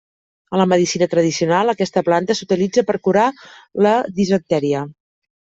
A la medicina tradicional aquesta planta s'utilitza per curar la disenteria.